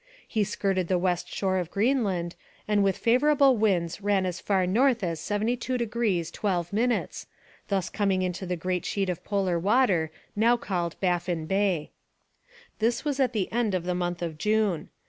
He skirted the west shore of Greenland and with favourable winds ran as far north as 72° 12', thus coming into the great sheet of polar water now called Baffin Bay. This was at the end of the month of June.